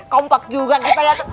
kompak juga kita lihat